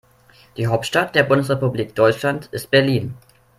Die Hauptstadt der Bundesrepublik Deutschland ist Berlin